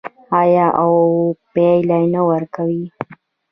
آیا او پایله نه ورکوي؟